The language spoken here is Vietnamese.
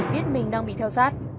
biết mình đang bị theo sát